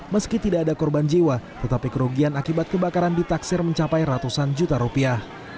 meski tidak ada korban jiwa tetapi kerugian akibat kebakaran ditaksir mencapai ratusan juta rupiah